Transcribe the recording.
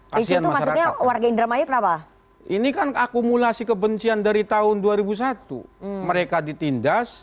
pasien masyarakat warga indramayu berapa ini kan akumulasi kebencian dari tahun dua ribu satu mereka ditindas